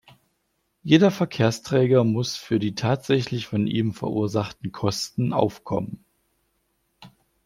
Jeder Verkehrsträger muss für die tatsächlich von ihm verursachten Kosten aufkommen.